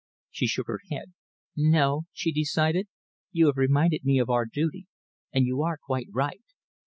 She shook her head. "No," she decided, "you have reminded me of our duty, and you are quite right.